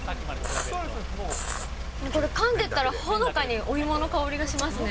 これ、かんでったら、ほのかにお芋の香りがしますね。